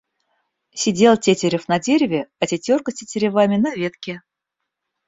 Сидел тетерев на дереве, а тетерка с тетеревами на ветке.